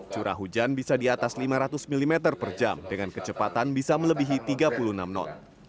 curah hujan bisa di atas lima ratus mm per jam dengan kecepatan bisa melebihi tiga puluh enam knot